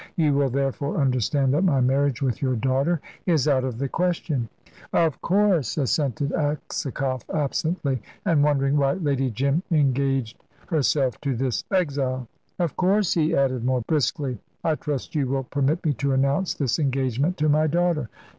"You will, therefore, understand that my marriage with your daughter is out of the question." "Of course," assented Aksakoff, absently, and wondering why Lady Jim engaged herself to this exile. "Of course," he added more briskly, "I trust you will permit me to announce this engagement to my daughter."